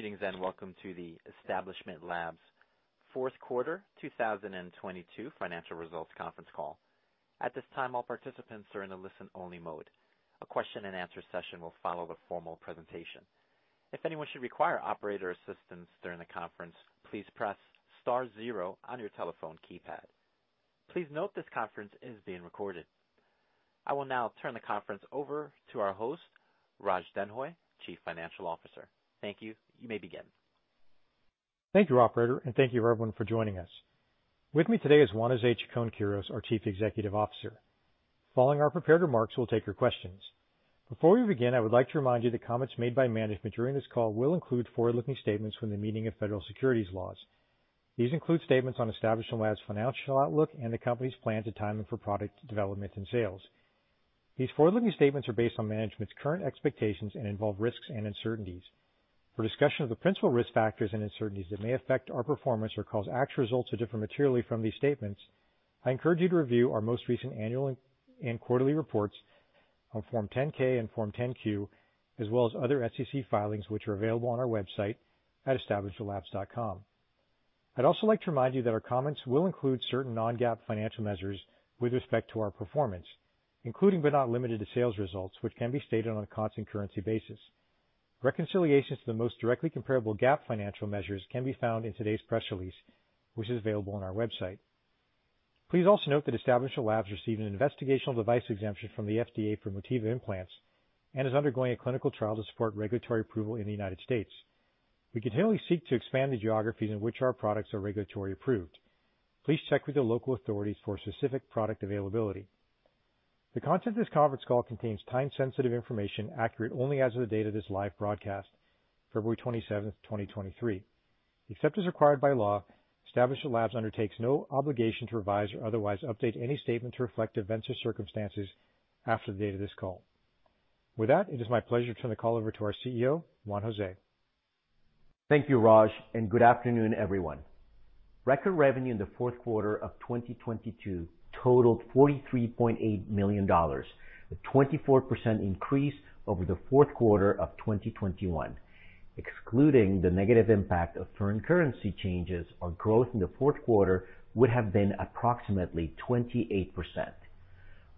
Greetings, welcome to the Establishment Labs fourth quarter 2022 financial results conference call. At this time, all participants are in a listen-only mode. A question-and-answer session will follow the formal presentation. If anyone should require operator assistance during the conference, please press star zero on your telephone keypad. Please note this conference is being recorded. I will now turn the conference over to our host, Raj Denhoy, Chief Financial Officer. Thank you. You may begin. Thank you, operator, and thank you everyone for joining us. With me today is Juan-Jose Chacon-Quiroz, our Chief Executive Officer. Following our prepared remarks, we'll take your questions. Before we begin, I would like to remind you that comments made by management during this call will include forward-looking statements within the meaning of federal securities laws. These include statements on Establishment Labs' financial outlook and the company's plan to timing for product development and sales. These forward-looking statements are based on management's current expectations and involve risks and uncertainties. For discussion of the principal risk factors and uncertainties that may affect our performance or cause actual results to differ materially from these statements, I encourage you to review our most recent annual and quarterly reports on Form 10-K and Form 10-Q, as well as other SEC filings, which are available on our website at establishmentlabs.com. I'd also like to remind you that our comments will include certain non-GAAP financial measures with respect to our performance, including but not limited to sales results, which can be stated on a constant currency basis. Reconciliations to the most directly comparable GAAP financial measures can be found in today's press release, which is available on our website. Please also note that Establishment Labs received an investigational device exemption from the FDA for Motiva implants and is undergoing a clinical trial to support regulatory approval in the United States. We continually seek to expand the geographies in which our products are regulatory approved. Please check with your local authorities for specific product availability. The content of this conference call contains time-sensitive information accurate only as of the date of this live broadcast, February 27th, 2023. Except as required by law, Establishment Labs undertakes no obligation to revise or otherwise update any statement to reflect events or circumstances after the date of this call. It is my pleasure to turn the call over to our CEO, Juan José. Thank you, Raj, and good afternoon, everyone. Record revenue in the fourth quarter of 2022 totaled $43.8 million, a 24% increase over the fourth quarter of 2021. Excluding the negative impact of foreign currency changes, our growth in the fourth quarter would have been approximately 28%.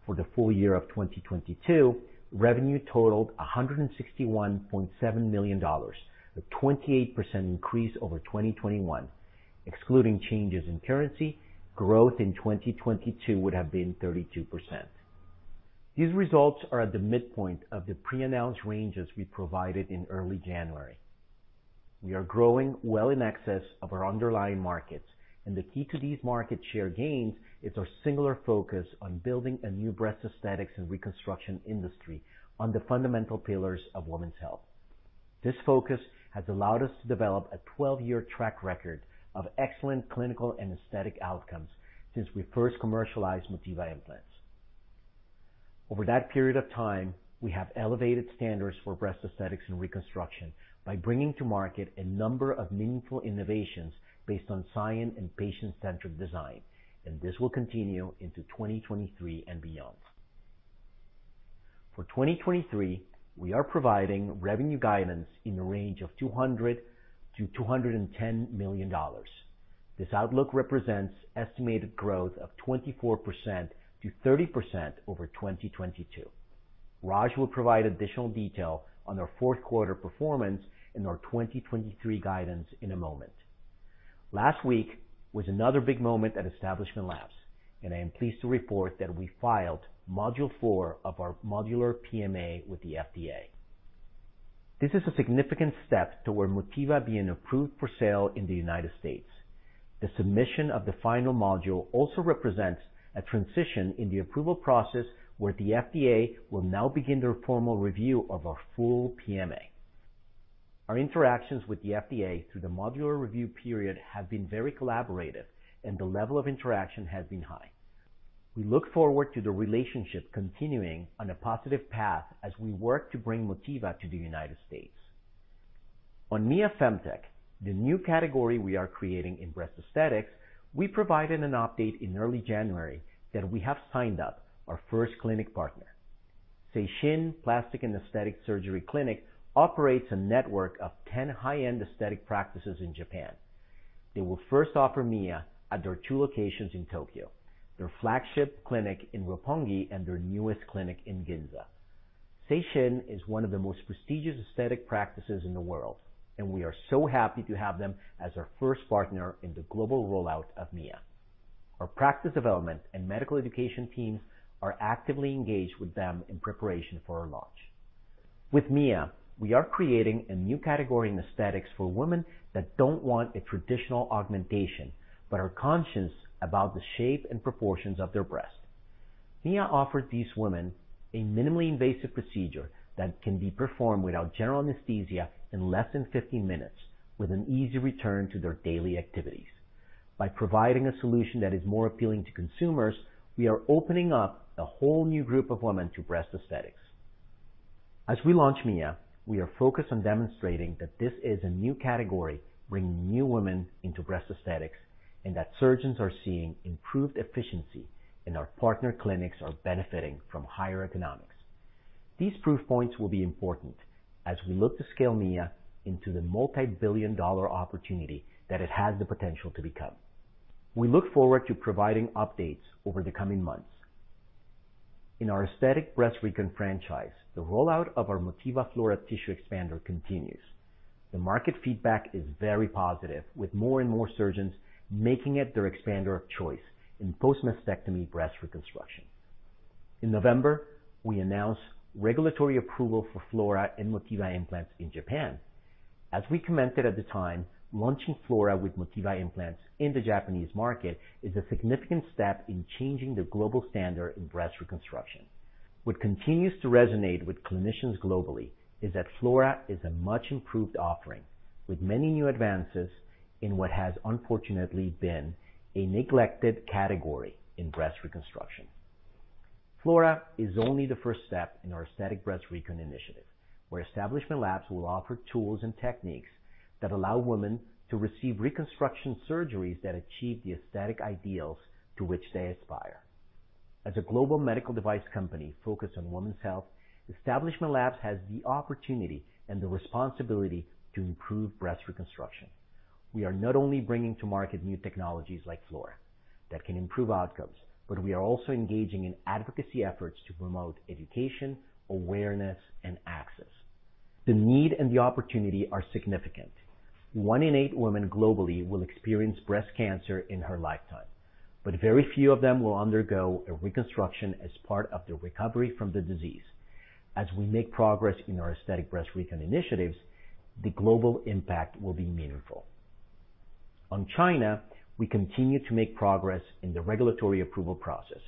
For the full year of 2022, revenue totaled $161.7 million, a 28% increase over 2021. Excluding changes in currency, growth in 2022 would have been 32%. These results are at the midpoint of the pre-announced ranges we provided in early January. We are growing well in excess of our underlying markets, and the key to these market share gains is our singular focus on building a new breast aesthetics and reconstruction industry on the fundamental pillars of women's health. This focus has allowed us to develop a 12-year track record of excellent clinical and aesthetic outcomes since we first commercialized Motiva implants. Over that period of time, we have elevated standards for breast aesthetics and reconstruction by bringing to market a number of meaningful innovations based on science and patient-centric design, and this will continue into 2023 and beyond. For 2023, we are providing revenue guidance in the range of $200 million-$210 million. This outlook represents estimated growth of 24%-30% over 2022. Raj will provide additional detail on our fourth quarter performance and our 2023 guidance in a moment. Last week was another big moment at Establishment Labs, and I am pleased to report that we filed Module 4 of our modular PMA with the FDA. This is a significant step toward Motiva being approved for sale in the United States. The submission of the final module also represents a transition in the approval process where the FDA will now begin their formal review of our full PMA. Our interactions with the FDA through the modular review period have been very collaborative, and the level of interaction has been high. We look forward to the relationship continuing on a positive path as we work to bring Motiva to the United States. On Mia Femtech, the new category we are creating in breast aesthetics, we provided an update in early January that we have signed up our first clinic partner. Seishin Plastic and Aesthetic Surgery Clinic operates a network of 10 high-end aesthetic practices in Japan. They will first offer Mia at their 2 locations in Tokyo, their flagship clinic in Roppongi and their newest clinic in Ginza. Seishin is one of the most prestigious aesthetic practices in the world. We are so happy to have them as our first partner in the global rollout of Mia. Our practice development and medical education teams are actively engaged with them in preparation for our launch. With Mia, we are creating a new category in aesthetics for women that don't want a traditional augmentation but are conscious about the shape and proportions of their breast. Mia offered these women a minimally invasive procedure that can be performed without general anesthesia in less than 15 minutes with an easy return to their daily activities. By providing a solution that is more appealing to consumers, we are opening up a whole new group of women to breast aesthetics. As we launch Mia, we are focused on demonstrating that this is a new category bringing new women into breast aesthetics and that surgeons are seeing improved efficiency and our partner clinics are benefiting from higher economics. These proof points will be important as we look to scale Mia into the multibillion-dollar opportunity that it has the potential to become. We look forward to providing updates over the coming months. In our aesthetic breast recon franchise, the rollout of our Motiva Flora tissue expander continues. The market feedback is very positive, with more and more surgeons making it their expander of choice in post-mastectomy breast reconstruction. In November, we announced regulatory approval for Flora and Motiva implants in Japan. As we commented at the time, launching Flora with Motiva implants in the Japanese market is a significant step in changing the global standard in breast reconstruction. What continues to resonate with clinicians globally is that Flora is a much improved offering with many new advances in what has unfortunately been a neglected category in breast reconstruction. Flora is only the first step in our aesthetic breast recon initiative, where Establishment Labs will offer tools and techniques that allow women to receive reconstruction surgeries that achieve the aesthetic ideals to which they aspire. As a global medical device company focused on women's health, Establishment Labs has the opportunity and the responsibility to improve breast reconstruction. We are not only bringing to market new technologies like Flora that can improve outcomes, but we are also engaging in advocacy efforts to promote education, awareness, and access. The need and the opportunity are significant. One in eight women globally will experience breast cancer in her lifetime, but very few of them will undergo a reconstruction as part of their recovery from the disease. As we make progress in our aesthetic breast recon initiatives, the global impact will be meaningful. China, we continue to make progress in the regulatory approval process,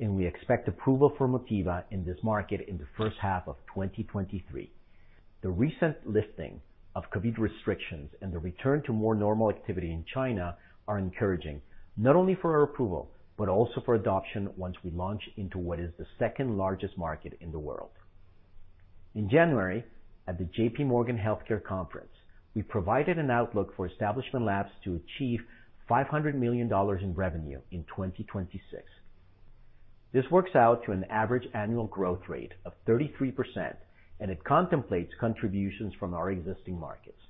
we expect approval for Motiva in this market in the first half of 2023. The recent lifting of COVID restrictions and the return to more normal activity in China are encouraging, not only for our approval, but also for adoption once we launch into what is the second-largest market in the world. In January, at the J.P. Morgan Healthcare Conference, we provided an outlook for Establishment Labs to achieve $500 million in revenue in 2026. This works out to an average annual growth rate of 33%. It contemplates contributions from our existing markets,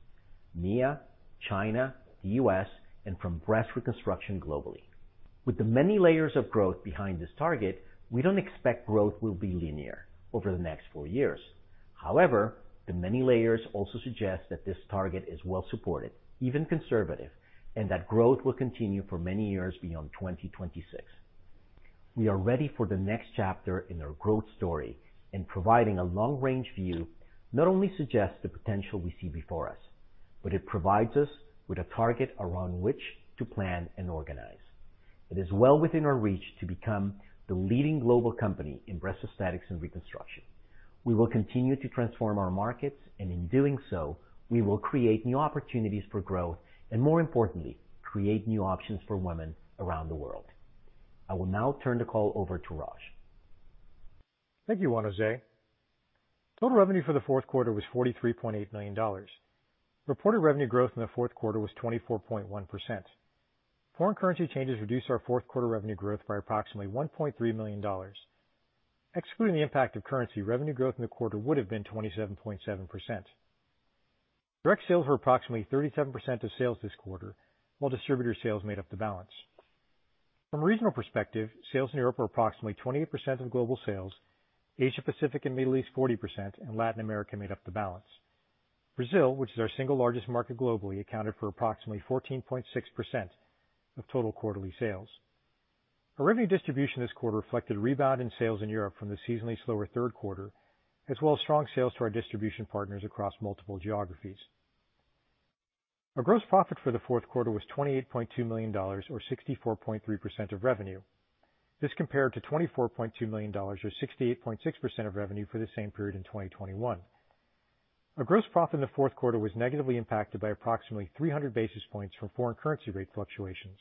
Mia, China, the U.S., and from breast reconstruction globally. With the many layers of growth behind this target, we don't expect growth will be linear over the next four years. However, the many layers also suggest that this target is well supported, even conservative, and that growth will continue for many years beyond 2026. We are ready for the next chapter in our growth story. Providing a long-range view not only suggests the potential we see before us, but it provides us with a target around which to plan and organize. It is well within our reach to become the leading global company in breast aesthetics and reconstruction. We will continue to transform our markets, and in doing so, we will create new opportunities for growth, and more importantly, create new options for women around the world. I will now turn the call over to Raj. Thank you, Juan José. Total revenue for the fourth quarter was $43.8 million. Reported revenue growth in the fourth quarter was 24.1%. Foreign currency changes reduced our fourth quarter revenue growth by approximately $1.3 million. Excluding the impact of currency, revenue growth in the quarter would have been 27.7%. Direct sales were approximately 37% of sales this quarter, while distributor sales made up the balance. From a regional perspective, sales in Europe were approximately 28% of global sales, Asia Pacific and Middle East, 40%, and Latin America made up the balance. Brazil, which is our single largest market globally, accounted for approximately 14.6% of total quarterly sales. Our revenue distribution this quarter reflected a rebound in sales in Europe from the seasonally slower third quarter, as well as strong sales to our distribution partners across multiple geographies. Our gross profit for the fourth quarter was $28.2 million or 64.3% of revenue. This compared to $24.2 million or 68.6% of revenue for the same period in 2021. Our gross profit in the fourth quarter was negatively impacted by approximately 300 basis points from foreign currency rate fluctuations.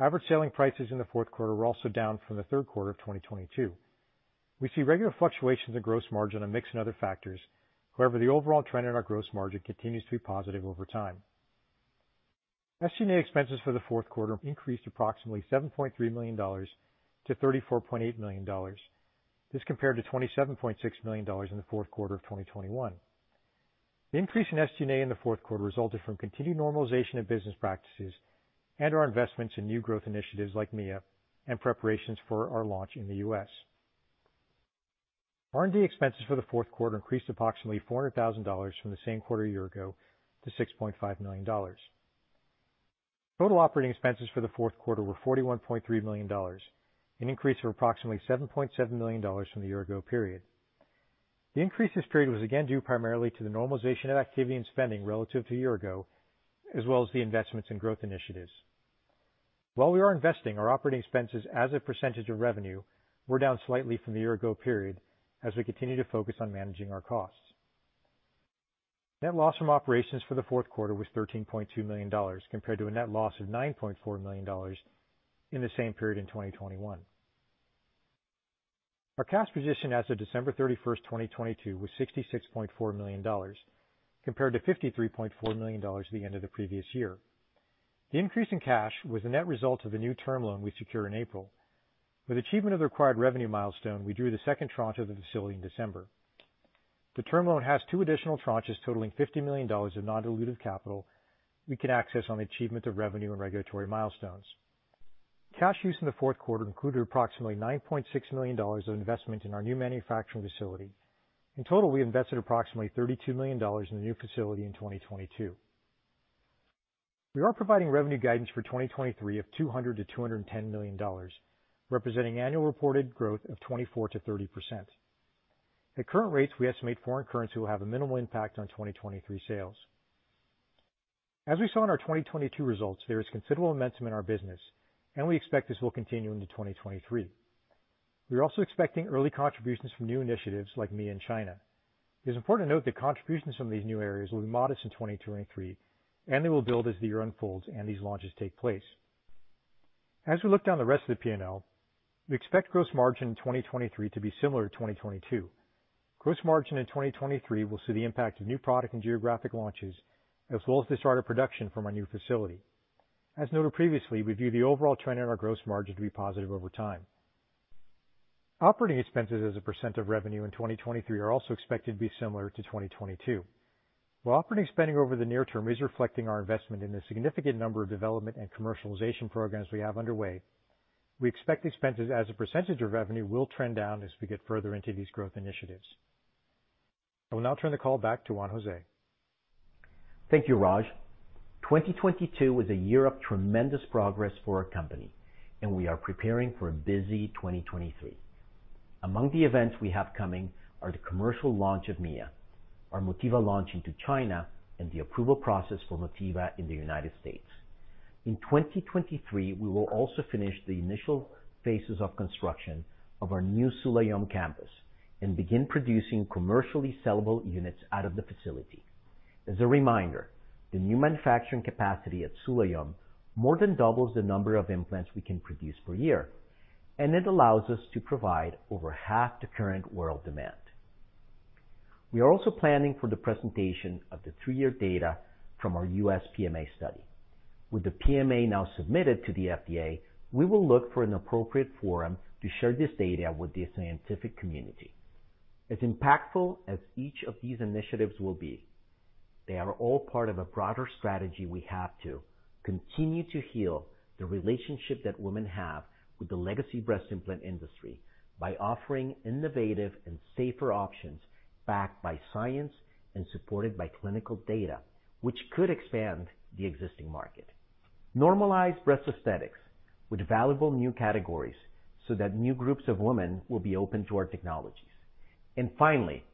Average selling prices in the fourth quarter were also down from the third quarter of 2022. We see regular fluctuations in gross margin on mix and other factors. However, the overall trend in our gross margin continues to be positive over time. SG&A expenses for the fourth quarter increased approximately $7.3 million to $34.8 million. This compared to $27.6 million in the fourth quarter of 2021. The increase in SG&A in the fourth quarter resulted from continued normalization of business practices and our investments in new growth initiatives like Mia and preparations for our launch in the U.S. R&D expenses for the fourth quarter increased approximately $400,000 from the same quarter a year ago to $6.5 million. Total operating expenses for the fourth quarter were $41.3 million, an increase of approximately $7.7 million from the year ago period. The increase this period was again due primarily to the normalization of activity and spending relative to a year ago, as well as the investments in growth initiatives. While we are investing, our operating expenses as a percentage of revenue were down slightly from the year-ago period as we continue to focus on managing our costs. Net loss from operations for the fourth quarter was $13.2 million compared to a net loss of $9.4 million in the same period in 2021. Our cash position as of December 31, 2022, was $66.4 million compared to $53.4 million at the end of the previous year. The increase in cash was the net result of a new term loan we secured in April. With achievement of the required revenue milestone, we drew the second tranche of the facility in December. The term loan has two additional tranches totaling $50 million of non-dilutive capital we can access on the achievement of revenue and regulatory milestones. Cash use in the fourth quarter included approximately $9.6 million of investment in our new manufacturing facility. In total, we invested approximately $32 million in the new facility in 2022. We are providing revenue guidance for 2023 of $200 million-$210 million, representing annual reported growth of 24%-30%. At current rates, we estimate foreign currency will have a minimal impact on 2023 sales. As we saw in our 2022 results, there is considerable momentum in our business, and we expect this will continue into 2023. We're also expecting early contributions from new initiatives like Mia in China. It is important to note that contributions from these new areas will be modest in 2023, and they will build as the year unfolds and these launches take place. As we look down the rest of the P&L, we expect gross margin in 2023 to be similar to 2022. Gross margin in 2023 will see the impact of new product and geographic launches, as well as the start of production from our new facility. As noted previously, we view the overall trend in our gross margin to be positive over time. Operating expenses as a percent of revenue in 2023 are also expected to be similar to 2022. While operating spending over the near term is reflecting our investment in a significant number of development and commercialization programs we have underway, we expect expenses as a percentage of revenue will trend down as we get further into these growth initiatives. I will now turn the call back to Juan José. Thank you, Raj. 2022 was a year of tremendous progress for our company, we are preparing for a busy 2023. Among the events we have coming are the commercial launch of Mia, our Motiva launch into China, and the approval process for Motiva in the U.S. In 2023, we will also finish the initial phases of construction of our new Sulàyöm campus and begin producing commercially sellable units out of the facility. As a reminder, the new manufacturing capacity at Sulàyöm more than doubles the number of implants we can produce per year, it allows us to provide over half the current world demand. We are also planning for the presentation of the 3-year data from our U.S. PMA study. With the PMA now submitted to the FDA, we will look for an appropriate forum to share this data with the scientific community. As impactful as each of these initiatives will be, they are all part of a broader strategy we have to continue to heal the relationship that women have with the legacy breast implant industry by offering innovative and safer options backed by science and supported by clinical data which could expand the existing market. Normalize breast aesthetics with valuable new categories so that new groups of women will be open to our technologies. Finally,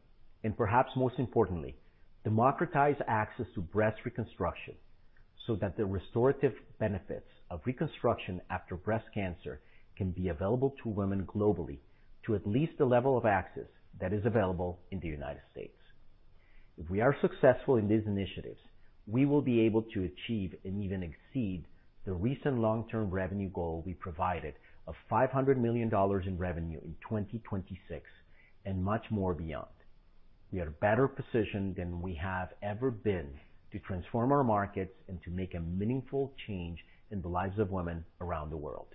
and perhaps most importantly, democratize access to breast reconstruction so that the restorative benefits of reconstruction after breast cancer can be available to women globally to at least the level of access that is available in the United States. If we are successful in these initiatives, we will be able to achieve and even exceed the recent long-term revenue goal we provided of $500 million in revenue in 2026 and much more beyond. We are better positioned than we have ever been to transform our markets and to make a meaningful change in the lives of women around the world.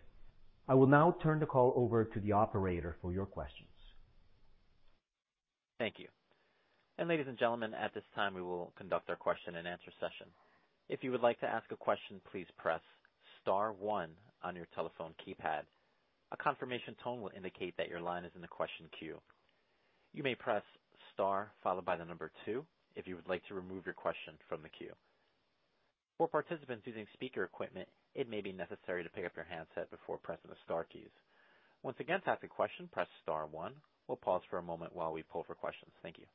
I will now turn the call over to the operator for your questions. Thank you. Ladies and gentlemen, at this time, we will conduct our question-and-answer session. If you would like to ask a question, please press star one on your telephone keypad. A confirmation tone will indicate that your line is in the question queue. You may press star followed by 2 if you would like to remove your question from the queue. For participants using speaker equipment, it may be necessary to pick up your handset before pressing the star keys. Once again, to ask a question, press star one. We'll pause for a moment while we pull for questions. Thank you.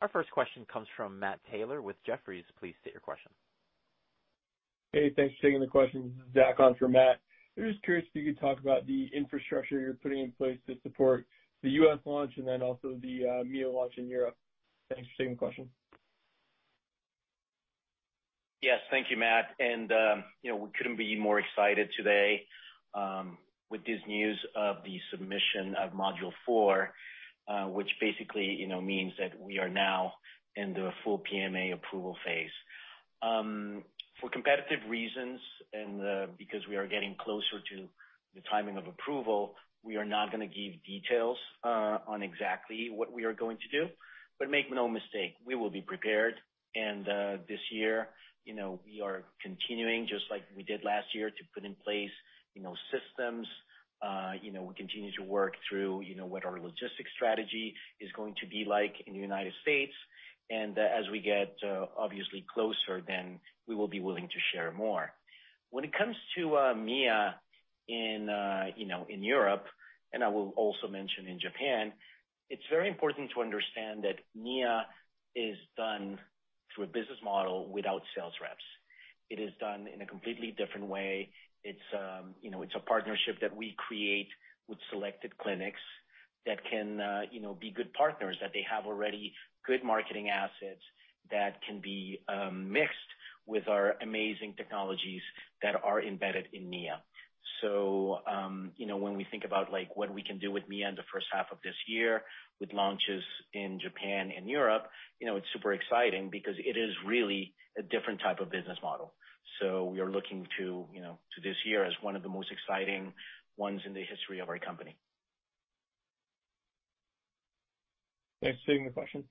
Our first question comes from Matthew Taylor with Jefferies. Please state your question. Hey, thanks for taking the question. This is Zach on for Matt. I'm just curious if you could talk about the infrastructure you're putting in place to support the U.S. launch and then also the Mia launch in Europe. Thanks for taking the question. Yes, thank you, Matt. you know, we couldn't be more excited today with this news of the submission of module 4, which basically, you know, means that we are now in the full PMA approval phase. For competitive reasons and because we are getting closer to the timing of approval, we are not gonna give details on exactly what we are going to do. Make no mistake, we will be prepared. this year, you know, we are continuing, just like we did last year, to put in place, you know, systems. you know, we continue to work through, you know, what our logistics strategy is going to be like in the United States. As we get obviously closer, then we will be willing to share more. When it comes to Mia in, you know, in Europe, and I will also mention in Japan, it's very important to understand that Mia is done through a business model without sales reps. It is done in a completely different way. It's, you know, a partnership that we create with selected clinics that can, you know, be good partners, that they have already good marketing assets that can be mixed with our amazing technologies that are embedded in Mia. When we think about like what we can do with Mia in the first half of this year with launches in Japan and Europe, you know, it's super exciting because it is really a different type of business model. We are looking to, you know, to this year as one of the most exciting ones in the history of our company. Thanks for taking the question.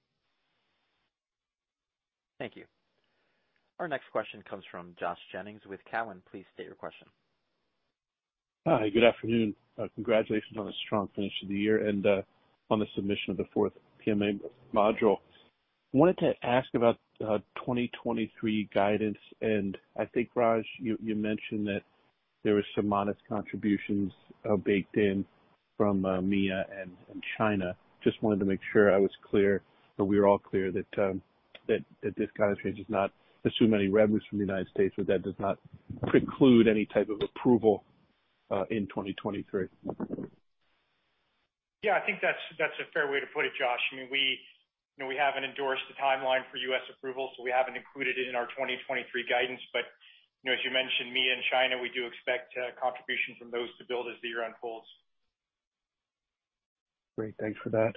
Thank you. Our next question comes from Josh Jennings with Cowen. Please state your question. Hi, good afternoon. Congratulations on a strong finish of the year and on the submission of the fourth PMA module. Wanted to ask about 2023 guidance, and I think, Raj, you mentioned that there was some modest contributions baked in from Mia and China. Just wanted to make sure I was clear, that we're all clear that this guidance change does not assume any revenues from the United States or that does not preclude any type of approval in 2023. I think that's a fair way to put it, Josh. I mean, we, you know, we haven't endorsed the timeline for U.S. approval, so we haven't included it in our 2023 guidance. You know, as you mentioned, Mia in China, we do expect contribution from those to build as the year unfolds. Great. Thanks for that.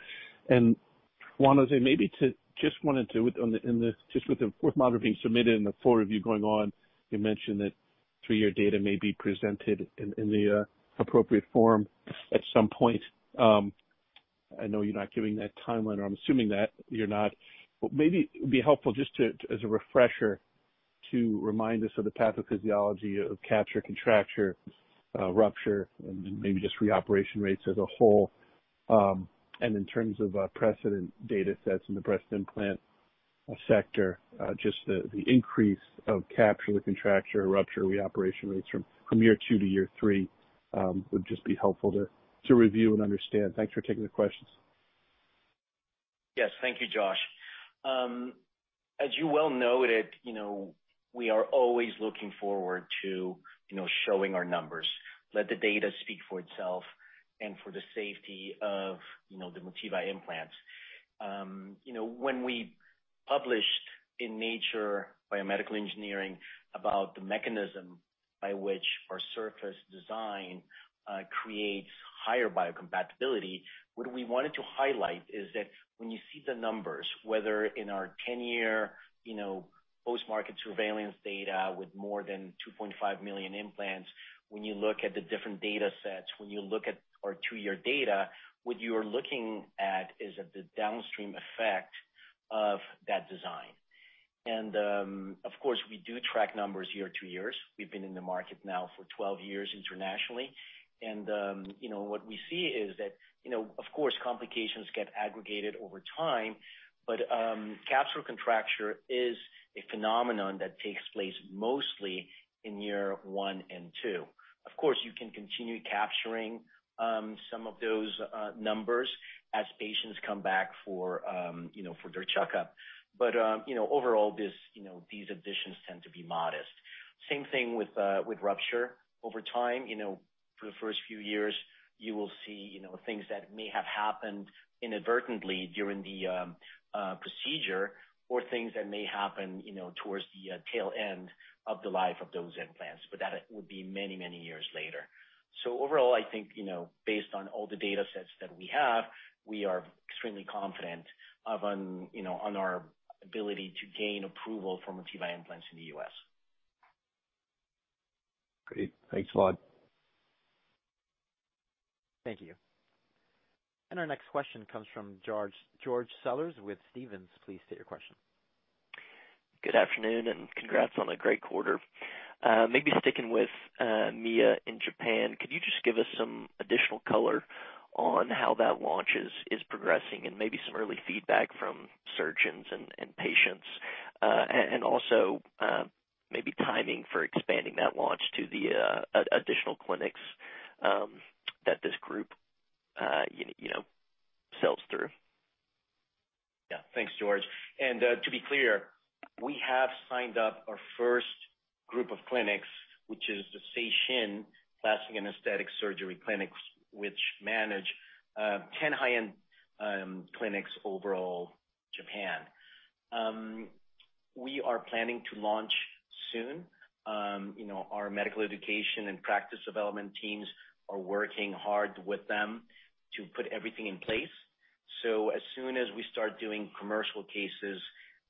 Juan José, maybe just wanted to in the just with the fourth module being submitted and the four of you going on, you mentioned that 3-year data may be presented in the appropriate form at some point. I know you're not giving that timeline, or I'm assuming that you're not, but maybe it would be helpful just to, as a refresher, to remind us of the pathophysiology of capsular contracture, rupture, and maybe just reoperation rates as a whole. In terms of precedent data sets in the breast implant sector, just the increase of capsular contracture, rupture, reoperation rates from year 2 to year 3, would just be helpful to review and understand. Thanks for taking the questions. Yes. Thank you, Josh. As you well noted, you know, we are always looking forward to, you know, showing our numbers, let the data speak for itself and for the safety of, you know, the Motiva implants. You know, when we published in Nature Biomedical Engineering about the mechanism by which our surface design creates higher biocompatibility, what we wanted to highlight is that when you see the numbers, whether in our 10-year, you know, post-market surveillance data with more than 2.5 million implants, when you look at the different data sets, when you look at our 2-year data, what you are looking at is at the downstream effect of that design. Of course, we do track numbers year to years. We've been in the market now for 12 years internationally. you know, what we see is that, you know, of course, complications get aggregated over time, but capsular contracture is a phenomenon that takes place mostly in year one and two. Of course, you can continue capturing some of those numbers as patients come back for, you know, for their checkup. you know, overall this, you know, these additions tend to be modest. Same thing with rupture. Over time, you know, for the first few years, you will see, you know, things that may have happened inadvertently during the procedure or things that may happen, you know, towards the tail end of the life of those implants, but that would be many, many years later. Overall, I think, you know, based on all the data sets that we have, we are extremely confident of on, you know, on our ability to gain approval for Motiva implants in the U.S. Great. Thanks a lot. Thank you. Our next question comes from George Sellers with Stephens. Please state your question. Good afternoon and congrats on a great quarter. Maybe sticking with Mia in Japan, could you just give us some additional color on how that launch is progressing and maybe some early feedback from surgeons and patients? Also, maybe timing for expanding that launch to the additional clinics that this group, you know, sells through? Yeah. Thanks, George. To be clear, we have signed up our first group of clinics, which is the Seishin Plastic and Aesthetic Surgery Clinics, which manage 10 high-end clinics overall Japan. We are planning to launch soon. You know, our medical education and practice development teams are working hard with them to put everything in place. As soon as we start doing commercial cases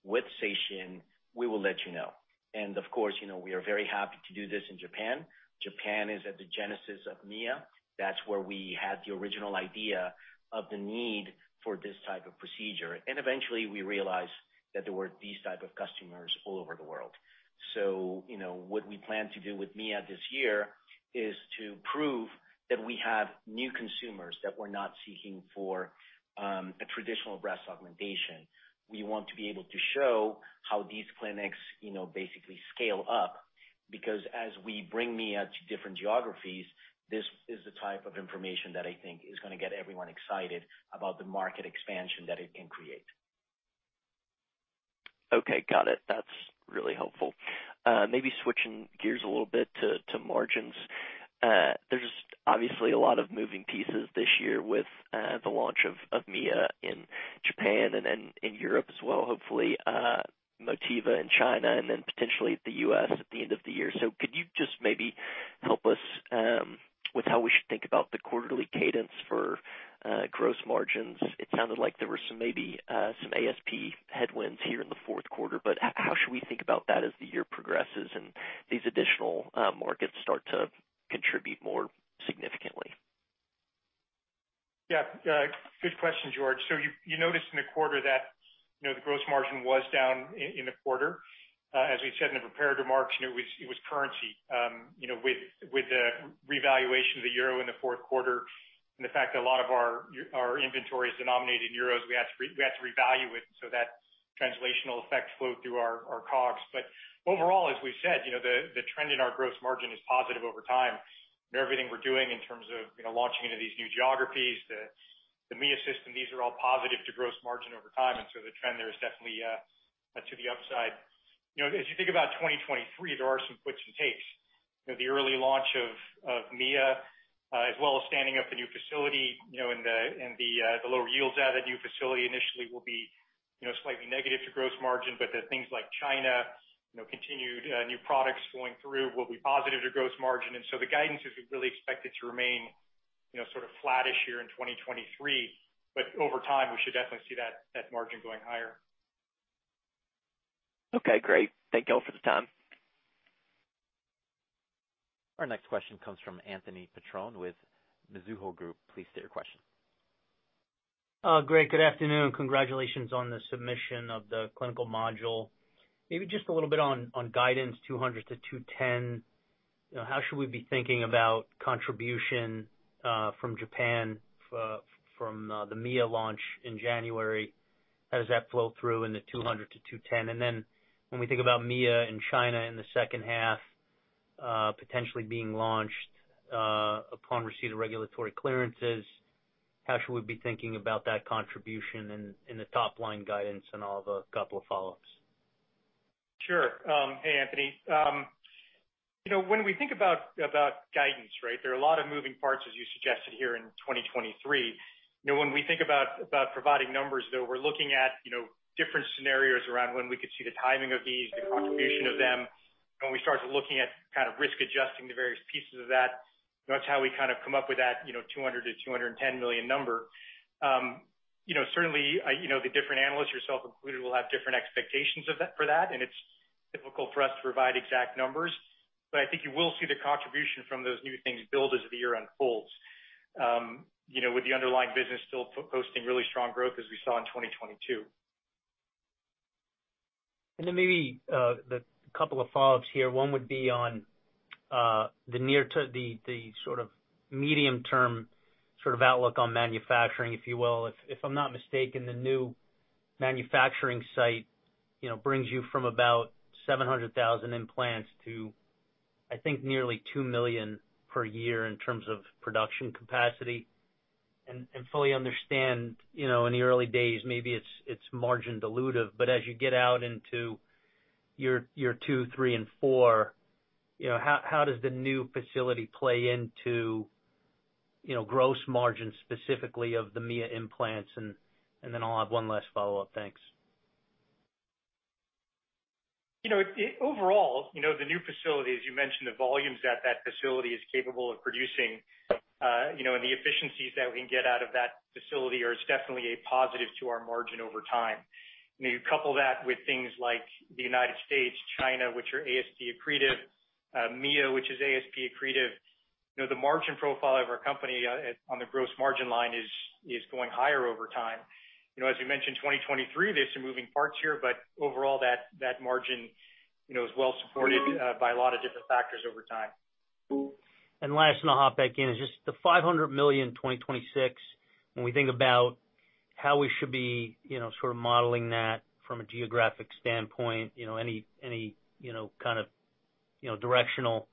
with Seishin, we will let you know. Of course, you know, we are very happy to do this in Japan. Japan is at the genesis of Mia. That's where we had the original idea of the need for this type of procedure. Eventually, we realized that there were these type of customers all over the world. You know, what we plan to do with Mia this year is to prove that we have new consumers that were not seeking for a traditional breast augmentation. We want to be able to show how these clinics, you know, basically scale up because as we bring Mia to different geographies, this is the type of information that I think is gonna get everyone excited about the market expansion that it can create. Okay. Got it. That's really helpful. Maybe switching gears a little bit to margins. There's obviously a lot of moving pieces this year with the launch of Mia in Japan and then in Europe as well, hopefully, Motiva in China and then potentially the U.S. at the end of the year. Could you just maybe help us with how we should think about the quarterly cadence for gross margins? It sounded like there were some, maybe, some ASP headwinds here in the fourth quarter, but how should we think about that as the year progresses and these additional markets start to contribute more significantly? Good question, George. You, you noticed in the quarter that, you know, the gross margin was down in the quarter. As we said in the prepared remarks, you know, it was, it was currency. You know, with the revaluation of the euro in the fourth quarter and the fact that a lot of our inventory is denominated in euros, we had to revalue it, so that translational effect flowed through our COGS. Overall, as we've said, you know, the trend in our gross margin is positive over time. Everything we're doing in terms of, you know, launching into these new geographies, the Mia system, these are all positive to gross margin over time. The trend there is definitely to the upside. You know, as you think about 2023, there are some puts and takes. You know, the early launch of Mia, as well as standing up the new facility, you know, and the lower yields out of that new facility initially will be, you know, slightly negative to gross margin. The things like China, you know, continued new products flowing through will be positive to gross margin. The guidance is really expected to remain, you know, sort of flattish here in 2023. Over time, we should definitely see that margin going higher. Okay, great. Thank you all for the time. Our next question comes from Anthony Petrone with Mizuho Group. Please state your question. Greg, good afternoon. Congratulations on the submission of the clinical module. Maybe just a little bit on guidance, $200-$210. You know, how should we be thinking about contribution from Japan from the Mia launch in January? How does that flow through in the $200-$210? When we think about Mia in China in the second half, potentially being launched upon receipt of regulatory clearances, how should we be thinking about that contribution in the top line guidance? I'll have a couple of follow-ups. Sure. Hey, Anthony. You know, when we think about guidance, right? There are a lot of moving parts, as you suggested here in 2023. You know, when we think about providing numbers, though, we're looking at, you know, different scenarios around when we could see the timing of these, the contribution of them. When we start looking at kind of risk adjusting the various pieces of that's how we kind of come up with that, you know, $200 million-$210 million number. You know, certainly, you know, the different analysts, yourself included, will have different expectations for that, and it's difficult for us to provide exact numbers. I think you will see the contribution from those new things build as the year unfolds, you know, with the underlying business still posting really strong growth as we saw in 2022. Then maybe, the couple of follow-ups here. One would be on the near to the medium term outlook on manufacturing, if you will. If I'm not mistaken, the new manufacturing site, you know, brings you from about 700,000 implants to, I think, nearly 2 million per year in terms of production capacity. Fully understand, you know, in the early days, maybe it's margin dilutive, but as you get out into year 2, 3, and 4, you know, how does the new facility play into, you know, gross margins specifically of the Mia implants? Then I'll have one last follow-up. Thanks. You know, overall, you know, the new facility, as you mentioned, the volumes that that facility is capable of producing, you know, and the efficiencies that we can get out of that facility are definitely a positive to our margin over time. You couple that with things like the United States, China, which are ASP accretive, Mia, which is ASP accretive. You know, the margin profile of our company on the gross margin line is going higher over time. You know, as we mentioned, 2023, there's some moving parts here, but overall that margin, you know, is well supported by a lot of different factors over time. Last, and I'll hop back in, is just the $500 million in 2026. When we think about how we should be, you know, sort of modeling that from a geographic standpoint, you know, any, you know, kind of, you know, directional,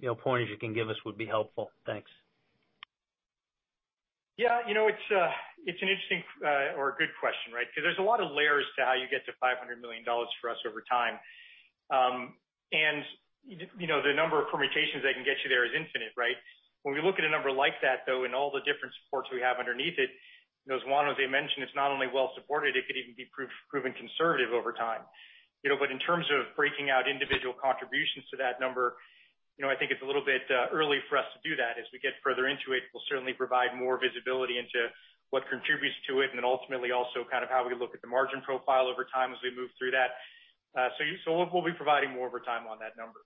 you know, pointers you can give us would be helpful. Thanks. You know, it's an interesting or a good question, right? Because there's a lot of layers to how you get to $500 million for us over time. You know, the number of permutations that can get you there is infinite, right? When we look at a number like that, though, and all the different supports we have underneath it, you know, as Juan José mentioned, it's not only well supported, it could even be proof-proven conservative over time. You know, in terms of breaking out individual contributions to that number, you know, I think it's a little bit early for us to do that. As we get further into it, we'll certainly provide more visibility into what contributes to it and then ultimately also kind of how we look at the margin profile over time as we move through that. So we'll be providing more over time on that number.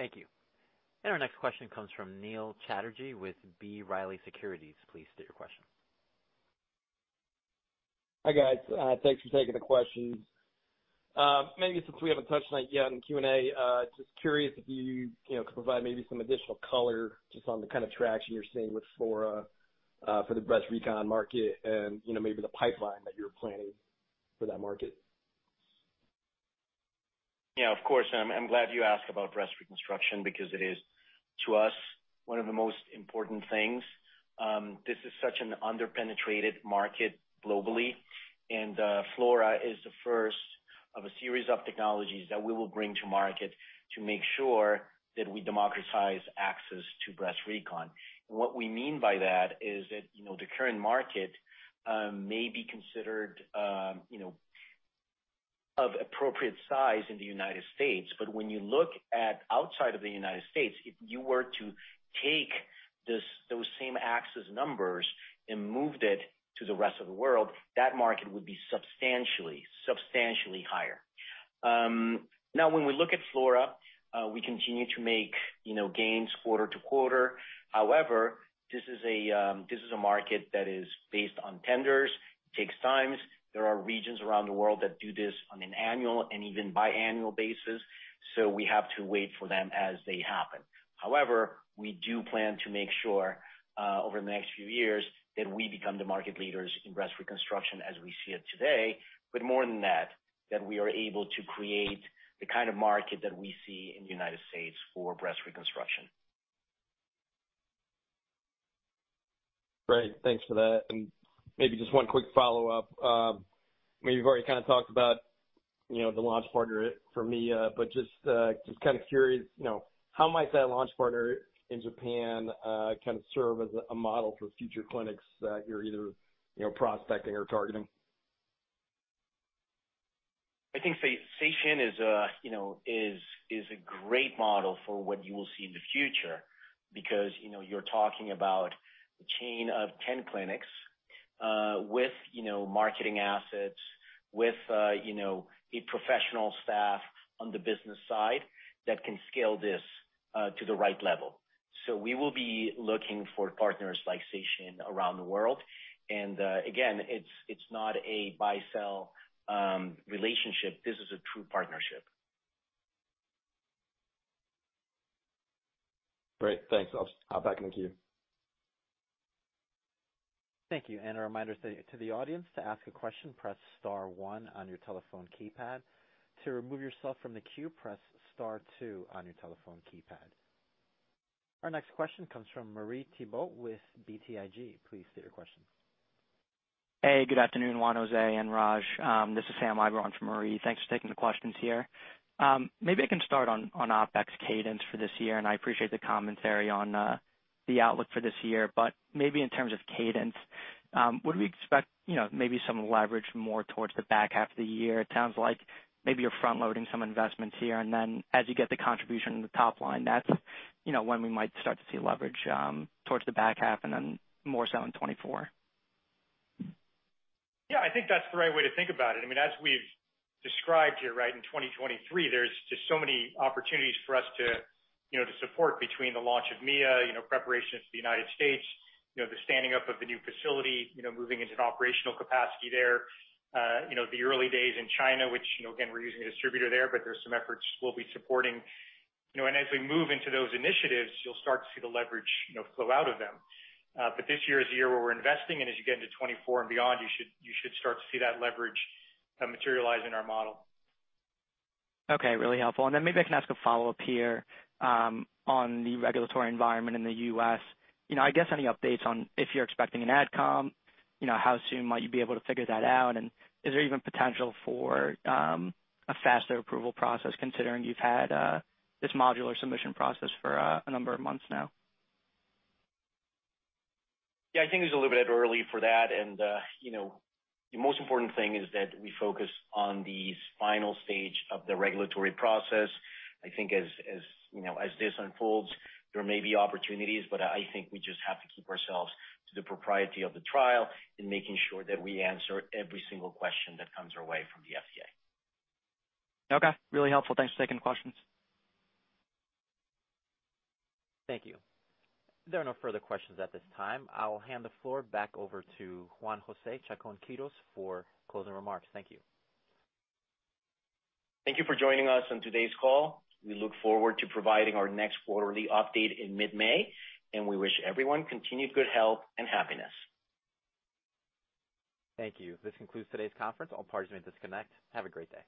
Thank you. Our next question comes from Neil Chatterji with B. Riley Securities. Please state your question. Hi, guys. Thanks for taking the questions. Maybe since we haven't touched on it yet in Q&A, just curious if you know, could provide maybe some additional color just on the kind of traction you're seeing with Flora, for the breast recon market and, you know, maybe the pipeline that you're planning for that market. Yeah, of course, and I'm glad you asked about breast reconstruction because it is, to us, one of the most important things. This is such an under-penetrated market globally. Flora is the first of a series of technologies that we will bring to market to make sure that we democratize access to breast recon. What we mean by that is that, you know, the current market may be considered, you know, of appropriate size in the United States. When you look at outside of the United States, if you were to take those same access numbers and moved it to the rest of the world, that market would be substantially higher. Now when we look at Flora, we continue to make, you know, gains quarter-to-quarter. However, this is a market that is based on tenders, takes time. There are regions around the world that do this on an annual and even biannual basis. We have to wait for them as they happen. However, we do plan to make sure, over the next few years, that we become the market leaders in breast reconstruction as we see it today. More than that we are able to create the kind of market that we see in the United States for breast reconstruction. Great. Thanks for that. Maybe just one quick follow-up. I mean, you've already kinda talked about, you know, the launch partner for Mia, but just kinda curious, you know, how might that launch partner in Japan, kind of serve as a model for future clinics that you're either, you know, prospecting or targeting? I think Seishin is, you know, is a great model for what you will see in the future because, you know, you're talking about a chain of 10 clinics, with, you know, marketing assets, with, you know, a professional staff on the business side that can scale this to the right level. We will be looking for partners like Seishin around the world. Again, it's not a buy-sell, relationship. This is a true partnership. Great. Thanks. I'll hop back in the queue. Thank you. A reminder to the audience. To ask a question, press star one on your telephone keypad. To remove yourself from the queue, press star two on your telephone keypad. Our next question comes from Marie Thibault with BTIG. Please state your question. Hey, good afternoon, Juan José and Raj. This is Sam Eiber for Marie. Thanks for taking the questions here. Maybe I can start on OPEX cadence for this year, and I appreciate the commentary on the outlook for this year. Maybe in terms of cadence, would we expect, you know, maybe some leverage more towards the back half of the year? It sounds like maybe you're front-loading some investments here, and then as you get the contribution in the top line, that's, you know, when we might start to see leverage towards the back half and then more so in 2024. Yeah, I think that's the right way to think about it. I mean, as we've described here, right? In 2023, there's just so many opportunities for us to, you know, to support between the launch of Mia, you know, preparations for the United States. You know, the standing up of the new facility, you know, moving into an operational capacity there. You know, the early days in China, which, you know, again, we're using a distributor there, but there's some efforts we'll be supporting. As we move into those initiatives, you'll start to see the leverage, you know, flow out of them. This year is the year where we're investing, and as you get into 2024 and beyond, you should start to see that leverage materialize in our model. Okay. Really helpful. Then maybe I can ask a follow-up here, on the regulatory environment in the U.S. You know, I guess any updates on if you're expecting an Advisory Committee, you know, how soon might you be able to figure that out? Is there even potential for, a faster approval process considering you've had, this modular submission process for a number of months now? Yeah, I think it's a little bit early for that. You know, the most important thing is that we focus on the final stage of the regulatory process. I think as, you know, as this unfolds, there may be opportunities, but I think we just have to keep ourselves to the propriety of the trial in making sure that we answer every single question that comes our way from the FDA. Okay. Really helpful. Thanks for taking the questions. Thank you. There are no further questions at this time. I'll hand the floor back over to Juan José Chacón-Quirós for closing remarks. Thank you. Thank you for joining us on today's call. We look forward to providing our next quarterly update in mid-May, and we wish everyone continued good health and happiness. Thank you. This concludes today's conference. All parties may disconnect. Have a great day.